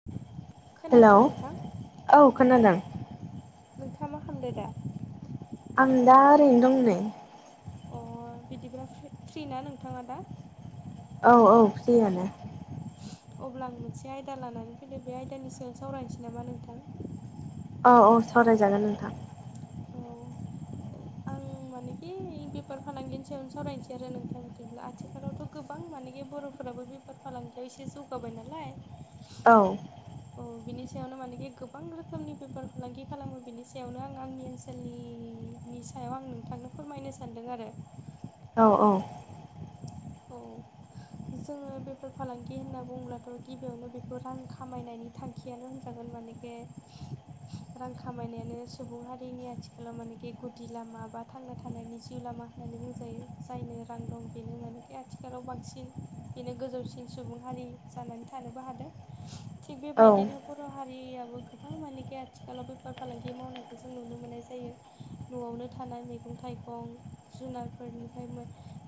[inaudible] Hello नोंथां औ खोनादों नोंथाङा मा खालामदो दा [inaudible] आं दा ओरैनो दं नै अ बिदिब्ला फ्रि ना नोंथाङा दा औ औ फ्रियानो अब्ला आं मोनसे आयदा लानानै फैदों बे आयदानि सायाव सावरायनोसै नामा नोंथां [inaudible] औ औ सावरायजागोन नोंथां औ आं आं मानेखि बेफार फालांगिनि सायावनो सावरायनोसै आरो नोंथां बिदिब्ला आथिखालावथ' गोबां माने बर'फोराबो बे बेफोर फालांगियाव एसे जौगाबाय नालाय औ औ बिनि सायावनो माने गोबां रोखोमनि बेफार फालांगि खालामो बेनि सायावनो आं आंनि ओनस सोलनि नि सायाव आं नोंथांनो फोरमायनो सानदों आरो [inaudible] औ औ [inaudible] औ जोङो बेफोर फालांगि होनना बुंङोब्लाथ' गिबियावनो बेखौ रां खामायनायनि थांखियानो होनजागोन मानेखे रां खामायनायानो सुबुं हारिनि आथिखालाव मानेखि गुदि लामा बा थांना थानायनि जिउ लामा होननानै बुंजायो जायनो रां दं बेनो माने बे आथिखालाव बांसिन बेनो गोजौसिन सुबुं हारि जानानै थानोबो हादों थिग औ बेबायदिनो बर' हारियाबो गोबां मानेखि आथिखालाव बेफार फालांगि मावनायखौ जों नुनो मोननाय जायो न'आवनो थानाय मैगं थाइगं जुनारफोरनिफ्राय मो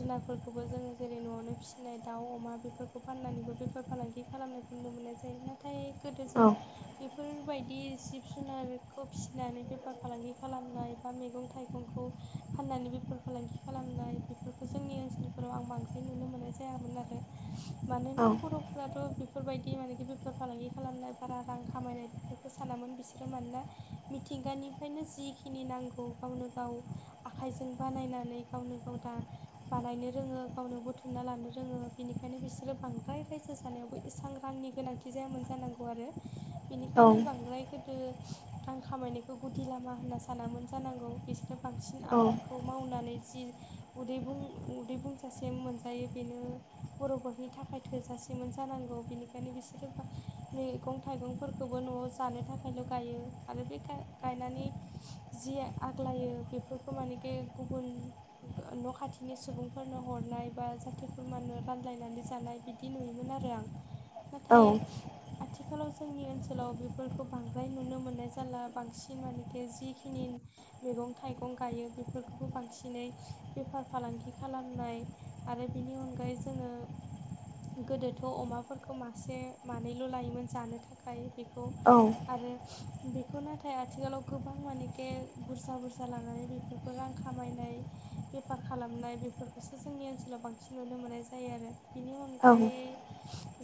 जुनारफोरखौ बो जोङो जेरै न'आवनो फिसिनाय दाउ अमा बेफोरखौ फाननानैबो बेफार फालांगि खालामनायखौ नुनो मोननाय जायो ना थाय गोदो जों औ बेफोरबायदि जिब जुनारखौ फिसिनानै बेफार फालांगि खालामनाय बा मैगं थाइ गंखौ फाननानै बेफार फालांगि खालामनाय बेफोरखौ जोंनि ओनसोल फोराव आं बांद्राय नुनो मोननाय जायामोन आरो मानोना औ बर'फोराथ' बि फोरबायदि माने बेफार फालांगि खालामनाय बारा रां खामायनायफोरखौ सानामोन बिसोरो मानोना मिथिंगानिफ्रायनो जिखिनि नांगौ गावनो गाव आखाइजों बानायनानै गावनो गाव दा बानायनो रोङो गावनो बुथुमना लानो रोङो बेनिखायनो बिसोरो बांद्राय रायजो जानायावबो एसेबां रांनि गोनांथि जायामोन जानांगौ आरो औ बेनिखायनो बांद्राय गो रां खामायनायखौ गुदि लामा होनना सानामोन जानांगौ बिसोरो बांसिन आबादखौ खौ मावनानै जि उदै बुं उदै बुंजासे मोनजायो बेनो बर'फोरनि थाखाय थोजासेमोन जानांगौ बेनि ओंखायनो बिसोरो मैगं थाइगंफोरखौबो न'आव जानो थाखायल' गायो आरो बे गायनानै जि आग्लायो बेफोरखौ मानेखि गुबुन न' खाथिनि सुबुं फोरनो हरनाय बा जाथि खुरमानो रानलायनानै जानाय बिदि नुयोमोन आरो आं औ नाथाय आथिखालाव जोंनि ओनसोलाव बेफोरखौ बांद्राय नुनो मोननाय जाला बांसिन मानेखि जिखिनि मैगं थाइगं गायो बेफोरखौबो बांसिनै बेफार फालांगि खालामनाय आरो बेनि अनगायै जोङो गोदोथ' अमाफोरखौ मासे मानैल' लायोमोन जानो थाखाय बेखौ औ आरो बेखौ नाथाय आथिखालाव गोबां मानेखे बुरजा बुरजा लानानै बेफोर रां खामायनाय बेफार खालामनाय बेफोरखौसो जोंनि ओनसोलाव बांसिन नुनो मोननाय जायो आरो बेनि अनगायै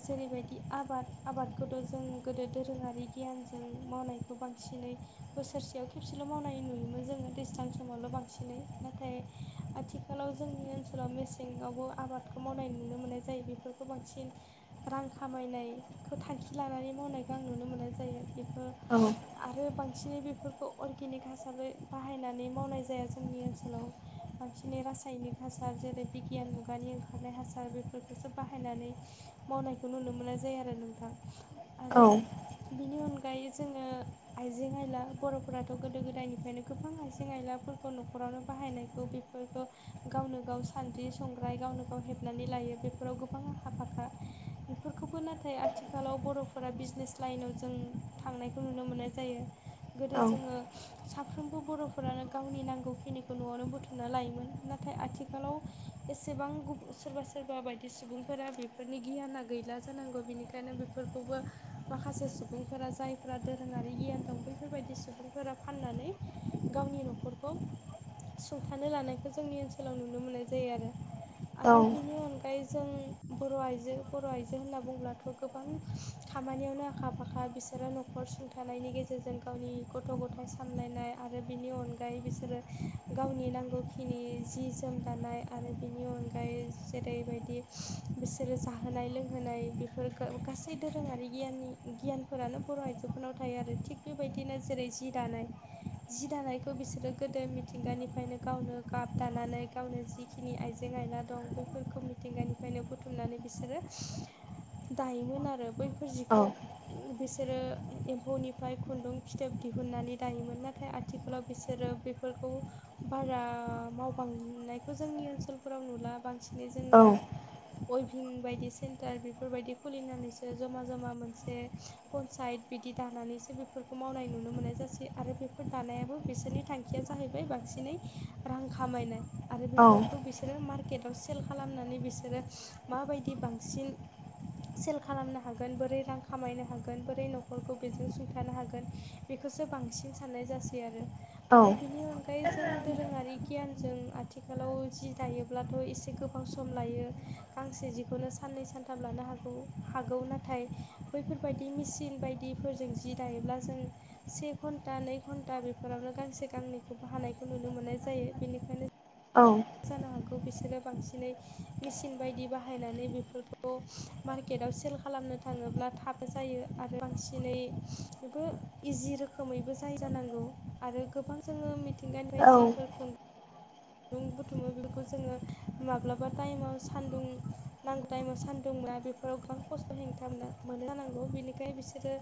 जेरैबायदि आबाद आबादखौथ' जों गोदो दोरोङारि गियानजों मावनायखौ बांसिनै बोसोरसेयाव खेबसेल' मावनाय नुयोमोन जोङो दैज्लां समावल' बांसिनै नाथाय आथिखालाव जोंनि ओनसोलाव मेसेङावबो आबादखौ मावनाय नुनो मोननाय जायो बेफोरखौ बांसिन रां खामायनायखो थांखि लानानै मावनायखौ आं नुनो मोननाय जायो बेखो औ आरो बांसिनै बेफोरखौ अर्गेनिक हासारै बाहायनानै मावनाय जाया जोंनि ओनसोलाव बांसिनै रासाय रासायनिक हासार जेरै बिगियान मुगानि ओंखारनाय हासार बेफोरखौसो बाहायनानै मावनायखौ नुनो मोननाय जाया आरो नोंथां आरो औ बिनि अनगायै जोङो आइजें आइला बर'फोराथ' गोदो गोदायनिफ्रायनो गोबां आइजें आइलाफोर न'खरावनो बाहायनायखौ बेफोरखौ गावनो गाव सान्द्रि संग्राय गावनो गाव हेबनानै लायो बेफोराव गोबां आखा फाखा बेफोरखौबो नाथाय आथिखालाव बर'फोरा बिजनेस लाइनाव जों थांनायखौ नुनो मोननाय जायो गोदो औ जोङो साफ्रोमबो बर'फोरानो गावनि नांगौखिनिखौ न'वावनो बुथुमना लायोमोन नाथाय नाथाय आथिखालाव एसेबां सोरबा सोरबा बायदि सुबुंफोरा बेफोरनि गियाना गैला जानांगौ बिनिखायनो बेफोरखौबो माखासे सुबुंफोरा जायफोरा दोरोङारि गियान दं बेफोरबायदि सुबुं फोरा फाननानै गावनि नखरखौ सुंथानो लानायखौ जोंनि ओनसो आथिखालाव नुनो मोननाय जायो आरो औ आरो बेनि अनगाय ओमफ्राय जों बर' आइजो बर' आइजो‌ होनना बुंब्लाथ' गोबां खामानियावनो आखा फाखा बि बिसोरो नखर सुंथानायनि गेजेरजों गावनि गथ' गथाइ सामलायनाय आरो बिनि अनगायै बिसोरो गावनि नांगौखिनि जि जोम दानाय आरो बिनि अनगायै जेरैबायदि बिसोरो जाहोनाय लोंहोनाय फोर गासै दोरोङारि गियाननि गियानफोरानो बर' आइजोफोरनाव थायो आरो थिग बेबायदिनो जेरै जि दानाय जि दानायखौ बिसोरो गोदो मिथिंगानिफ्रायनो गावनो गाब दानानै गावनो जिखिनि आइजें आयला दं बैफोरखौ मिथिंगानिफ्रायनो बुथुमनानै बिसोरो दायोमोन आरो बैफोर जिखौ बिसोरो एम्फौनिफ्राय खुन्दुं फिथोब दिहुननानै दायोमोन नाथाय आथिखालाव बिसोरो बे फोर बारा मावबांनायखौ जोंनि ओनसोलफोराव नुला बांसिनै जों औ अइभिं बायदि सेन्टार बेफोरबायदि खुलिनानैसो जमा जमा मोनसे पन्सायत बिदि दानानैसो बेफोरखौ मावनाय नुनो मोननाय जासै आरो बेफोर दानायाबो बिसोरनि थां खिया जाहैबाय बांसिनै रां खामायनाय आरो बेफोरखौ बि सोरो मार्केटाव सेल खालामनानै बिसोरो माबायदि बांसिन सेल खालामनो हागोन बोरै रां खामायनो हागोन बोरै नखरखौ बेजों सुंथानो हागोन बेखौसो बांसिन साननाय जासै आरो आरो बेनि अनगायै जों दोरोङारि गियानजों आथिखालाव जि दायोब्लाथ' एसे गोबाव सम लायो। गांसे जिखौनो साननै सानथाम लानो हौ हागौ नाथाय बैफोरबायदि मेचिन बायदिफोर जों जि दायोब्ला जों से घन्टा नै घन्टा बेफोरावनो गांसे गांनैखौबो हानायखौ नुनो मोननाय जायो। बेनिखायनो औ जानो हागौ बिसोरो बांसिनै मेजिन बायदि बाहायनानै बेफोरखौ मार्केटआव सेल खालामनो थाङोब्ला थाब जायो आरो बांसिनैबो इजि रोखोमैबो जायो जानांगौ आरो गोबां जोङो मिथिंगानिफ्राय जिफोर दुं बुथुमो बेफोरखौ जोङो माब्ला टाइमाव सान्दुं नांगौ टाइमाव सान्दुं मोना गोबां खस्थ' हेंथा मोनो जानांगौ बिनिखाय बिसोरो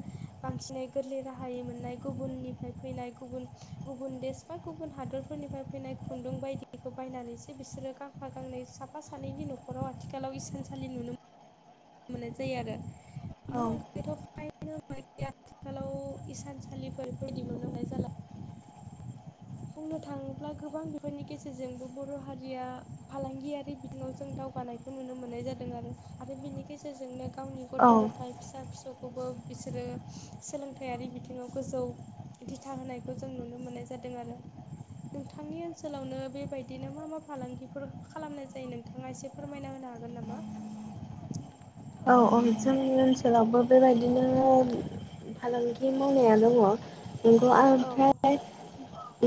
बांसिनै गोरलै राहायै मोननाय गुबुननिफ्राय फैनाय गुबुन गुबुन देश बा गुबुन हादरफोरनिफ्राय फैनाय खुन्दुं बायदि खौ बायनानैसो बिसोरो गांफा गांनै साफा सानैनि न'खराव आथिखालाव इसानसालि नुनो मोननाय जायो आरो बेनि अनगायैथ' [unintelligible] आथिखालाव इसानसालिफोर बायदि नुनो मोनाय जाला। [inaudible] बुंनो थाङोब्ला गोबां बिफोरनि गेजेरजोंबो बर' हारिया फालांगियारि बिथिङाव जों दाव जौगानायखौ नुनो मोननाय जादों आरो आरो बेनि गेजेरजोंनो गावनि गथ' गथाया फिसा फिसौ खौबो बिसोरो सोलोंथायारि बिथिङाव गोजौ दिथा होनायखौ जों नुनो मोननाय जादों आरो। नोंथांनि ओनसोलावनो बेबायदिनो मा मा फालांगिफोर खालामनाय जायो नोंथाङा एसे फोरमायना होनो हागोन नामा? [inaudible] औ औ जोंनि ओनसोलावबो बेबायदिनो फालांगि मावनाया दङ नंगौ औ ओमफ्राय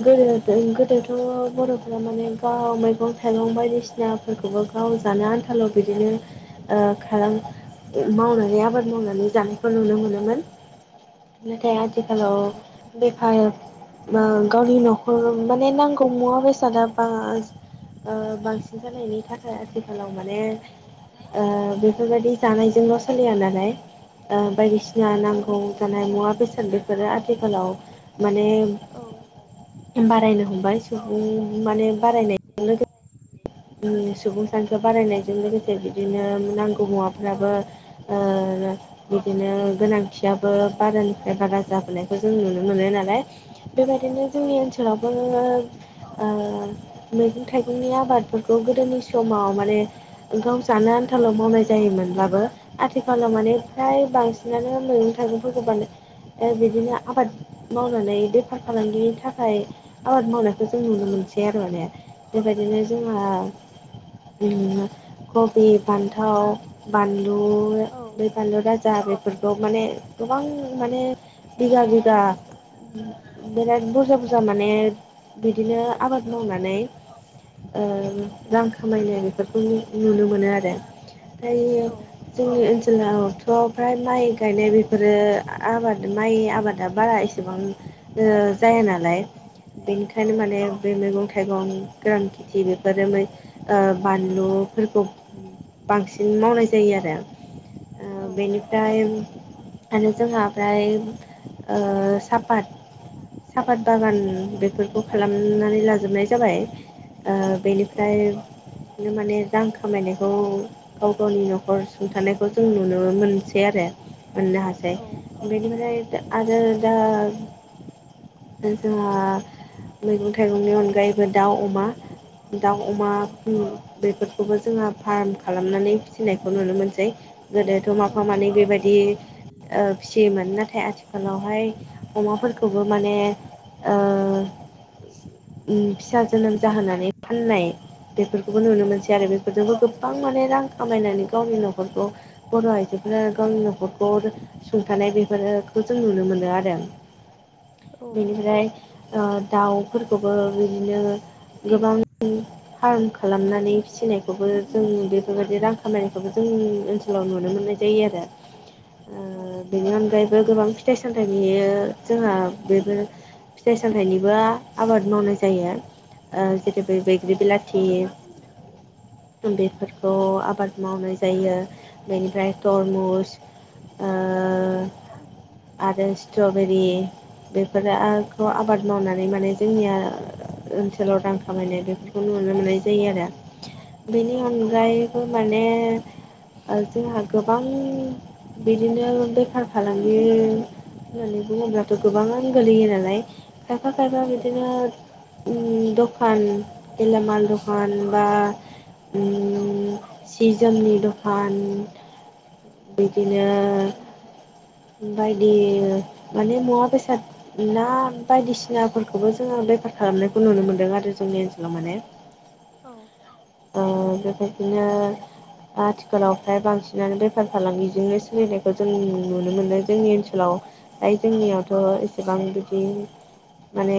गोदो गोदोथ' बर'फोरा माने गाव मैगं थाइगं बायदिसिना फोरखौबो गाव जानो आन्थाल' बिदिनो ओ खालाम मावनानै आबाद मावनानै जानायखौ नुनो मोनोमोन। नाथाय आथिखालाव बेफार ओ गावनि न'खर माने नांगौ मुवा बेसादा बा ओ बांसिन जानायनि थाखाय आथिखालाव माने ओ बेफोरबायदि जानायजोंल' सोलिया नालाय बायदिसिना औ नांगौ जानाय मुवा बेसाद बेफोरो आथिखालाव माने औ बारायनो हमबाय स माने बारायनायजों लोगोसे [inaudible] सुबुं सानखो बारायनायजों लोगोसे बिदिनो नांगौ मुवाफ्राबो औ ओ बिदिनो गोनांथियाबो बारानिफ्राय बारा जाबोनायखौ जों नुनो मोनो नालाय। बेबायदिनो औ जोंनि ओनसोलावबो ओ मैगं थाइगंनि आबाद फोरखौ गोदोनि समाव माने ओंखाम जानो आनथाल' मावनाय जायोमोनब्लाबो आथिखालाव माने फ्राय बांसिनानो मैगं थाइगंफोरखौनो बिदिनो आबाद मावनानै बेफार फालांगिनि थाखाय आबाद मावनायखौ जों नुनो मोनसै आरो माने। बेबायदिनो जोंहा कबि फान्थाव बानलु औ बै बानलु राजा बेफोर माने गोबां माने बिगा औ बिगा बिराद बुरजा बुरजा माने बिदिनो आबाद मावनानै ओ रां खामायनाय बेफोरखौ नुनो मोनो आरो दायो जोंनि ओनसोलाव थ' फ्राय माइ गायनाय बेफोरो आबाद माइ आबादा बारा एसेबां जाया नालाय बेनिखायनो माने बे मैगं थाइगं गोरान खे थि बेफोरो ओ बानलुफोरखौ बांसिन मावनाय जायो आरो ओ औ औ बेनिफ्राय आरो जोंहा ओमफ्राय ओ सापात सापाट सापात बागान बेफोरखौ खालामनानै लाजोबनाय जाबाय ओ औ बेनिफ्रायनो माने रां खामायनायखौ गाव गावनि न'खर सुंथानायखौ जों नुनो मोनसै आरो मोननो हासै बेनिफ्राय आरो दा औ [unintelligible] जोंहा मैगं थाइगंनि अनगायैबो दाउ अमा दाउ अमा बेफोरखौबो जोङो फार्म खालामनानै फिसिनायखौ नुनो मोनसै। गोदोथ' माफा मानै बेबायदि ओ फिसियोमोन नाथाय आथिखालावहाय अमाफोरखौबो माने ओ ओम फिसा जोनोम जाहोनाय फाननाय बेफोरखौबो नुनो मोनसै आरो बेफोरजोंबो गोबां माने रां खामायनानै गावनि न'खरखौ बर' आइजोफोरा गावनि न'खरखौ सुंथानाय बेफोरोफोरखौ जों नुनो मोनो आरो। बेनिफ्राय ओ दाउफोरखौबो बिदिनो गोबां [unintelligible] फार्म खालामनानै फिसिनायखौबो जों बेफोरबायदि रां खामायनायखौबो जों ओन सोलाव नुनो मोननाय जायो आरो ओ औ बेनि अनगायैबो गोबां फिथाइ सामथाइनि जोंहा बेबो फिथाइ सामथाइनिबो आबाद मावनाय जायो जेरै बे बैग्रि बिलाथि [unintelligible] बेफोरखौ आबाद मावनाय जायो। बेनिफ्राय तरमुस ओ औ आरो स्ट्रबेरि बेफोरखौ आबाद मावनानै माने जोंनिया ओ रां खामायनाय बेफोरखौ नुनो मोननाय जायो आरो औ बेनि अनगायै खौ माने ओ जोंहा गोबां बिदिनो बेफार फालांगि होननानै बुङोब्लाथ' गोबाङानो गोलैयो नालाय खायफा खायफा बिदिनो उम [inaudible] दखान गलामाल दखान बा उम सि जोमनि दखान बिदिनो बदि माने मुवा बेसाद ना बायदिसिनाफोरखौबो जोङो बेफार खालामनायखौ नुनो मोनदों आरो जोंनि ओनसोलाव माने औ ओ बेबायदिनो आथिखालाव फ्राय बांसिनानो बे फार फालांगिजोंनो सोलिनायखौ जों नुनो मोनो जोंनि ओनसोलाव दायो जोंनियावथ' एसे गोबां बिदि माने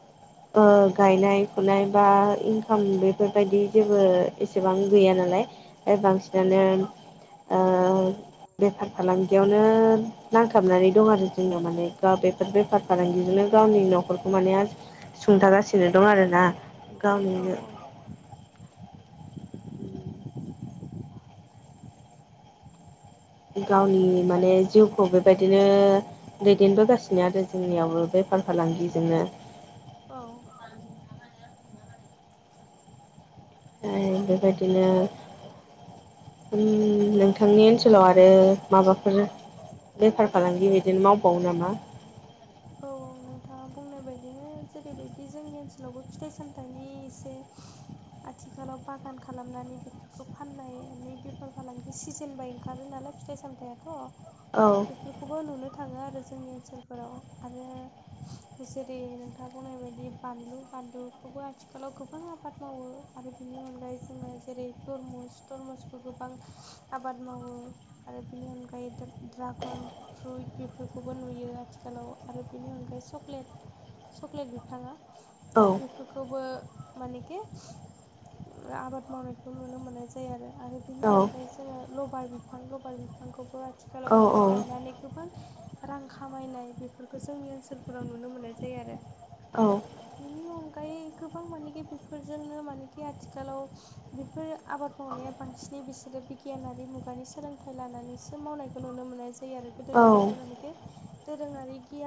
[inaudible] ओ‌ गायनाय फुनाय बा इनकाम बेफोरबायदि जेबो एसेबां गैया नालाय। ए बांसिनानो ओ [inaudible] बेफार फालांगियावनो नांथाबनानै दं आरो जोंनाव माने गा बे बेफार फालांगिजोंनो गावनि न'खरखौ माने सुंथागासिनो दं आरोना। गावनिनो [inaudible] उम उम गावनि माने जिउखौ बेबायदिनो दैदेनबोगासिनो आरो जोंनियावबो बेफार फालांगिजोंनो औ आरो बेबायदिनो ओम नोंथांनि ओनसोलाव आरो माबाफोर बेफार फालांगि बिदिनो मावबावो नामा? औ नोंथाङा बुंनाय बायदिनो जेरैबायदि जोंनि ओनसोलावबो फिथाइ सामथाइनि एसे आथिखालाव बागान खालामनानै बेफोरखौ फाननानै बेफार फालांगि सिजोन बाय ओंखारो नालाय फिथाइ सामथायाथ' औ बेफोरखौबो नुनो थाङो आरो जोंनि ओनसोलफोराव आरो जेरै नोंथाङा बुंनाय बायदि बानलु बानलुखौबो आथिखालाव गोबां आबाद मावो आरो बेनि अनगायै जोङो जेरै तरमुस थरमुसखौ गोबां आबाद मावो आरो बेनि अनगायै दा ड्रागन फ्रुइट बेफोरखौबो नुयो आथि खालाव आरो बेनि अनगायै चक्लेट चक्लेट बिफाङा औ बेफोरखौबो माने के आबाद मावनायखौ नुनो मोननाय जायो आरो आरो बिनि औ अनगायै जोङो लबार बिफां लबार बिफांखौबो आथिखालाव औ मानि गायनानै गोबां रां खामायनाय बेफोरखो जोंनि ओनसोलफोराव नुनो मोननाय जायो आरो औ बेनि अनगायै गोबां मानेखि बेफोरजोंनो मानेखि आथिखालाव बेफोरो आबाद मावनाया बांसिनै बिसोरो बिगियानारि मुगानि सोलोंथाइ लानानैसो मावनायखौ नुनो मोननाय जायो आरो गोदोनि औ औ बायदि मानेखि दोरोङारि गियान